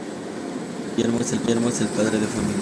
Guillermo es el padre de familia.